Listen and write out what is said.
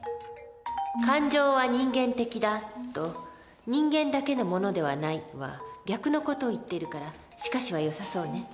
「感情は人間的だ」と「人間だけのものではない」は逆の事を言っているから「しかし」はよさそうね。